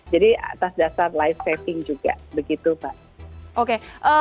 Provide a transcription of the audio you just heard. jadi atas dasar life saving juga